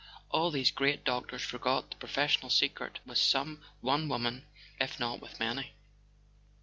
All these great doctors forgot the professional secret with some one woman, if not with many.